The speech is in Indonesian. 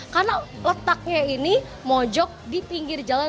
karena letaknya ini mojok di pinggir jalan